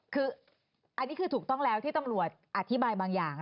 คืออันนี้คือถูกต้องแล้วที่ตำรวจอธิบายบางอย่าง